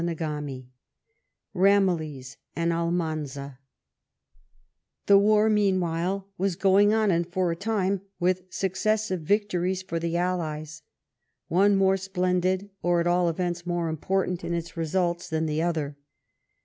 CHAPTER XIV BAMILLIES AND ALMANZA The war, meanwhile, was going on, and, for a time, with successive victories for the allies, one more splen did or, at all events, more important in its results than the other.